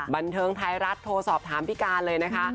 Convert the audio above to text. บันเทิงไทยรัฐโทรสอบถามพี่การเลยนะคะ